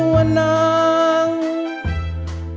ตัวถิ่นพนาตามหาหมดทาง